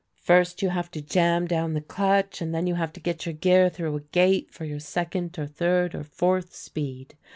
First you have to jam down the clutch, and then you have to get your gear through a gate for your second or third or fourth speed.